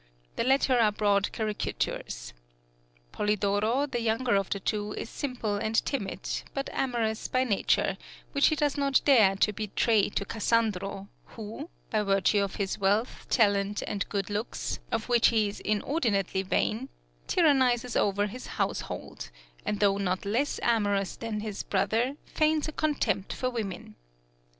The latter are broad caricatures. Polidoro, the younger of the two, is simple and timid, but amorous by nature, which he does not dare to betray to Cassandro, who, by virtue of his wealth, talent, and good looks, of which he is inordinately vain, tyrannises over his household, and though not less amorous than his brother, feigns a contempt for women.